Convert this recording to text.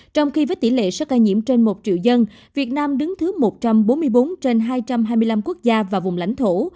trong khi với tỷ lệ số ca nhiễm trên một triệu dân việt nam đứng thứ một trăm bốn mươi bốn trên hai trăm hai mươi năm quốc gia và vùng lãnh thổ